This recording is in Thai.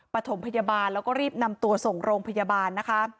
ปฐมพยาบาลแล้วก็รีบนำตัวส่งโรงพยาบาลนะคะ